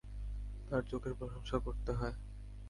তোর চোখের প্রশংসা করতে হয়।